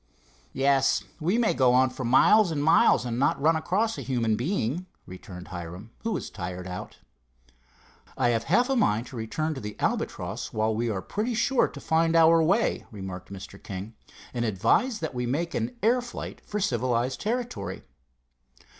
"Yes, we may go on for miles and miles and not run across a human being," returned Hiram, who was tired out. "I have half a mind to return to the Albatross while we are pretty sure to find our way," remarked Mr. King; "and advise that we make an air flight for civilized territory."